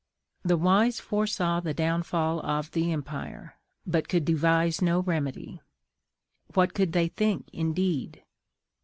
The wise foresaw the downfall of the empire, but could devise no remedy. What could they think indeed?